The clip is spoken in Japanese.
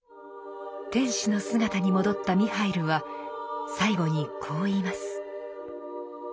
天使の姿に戻ったミハイルは最後にこう言います。